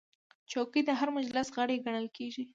چوکۍ د هر مجلس غړی ګڼل کېږي.